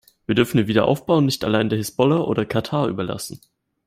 Wir dürfen den Wiederaufbau nicht allein der Hisbollah oder Katar überlassen.